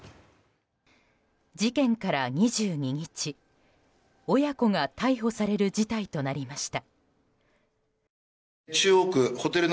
事件から２２日親子が逮捕される事態となりました。